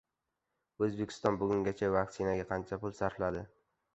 O‘zbekiston bugungacha vaksinaga qancha pul sarfladi?